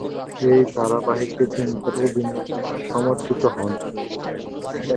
এই ধারাবাহিকে তিনি তার অভিনয়ের জন্য সমাদৃত হন।